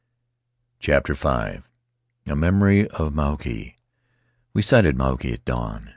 7 CHAPTER V A Memory of Mauke E sighted Mauke at dawn.